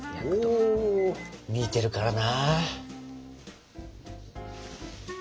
ほう見てるからな。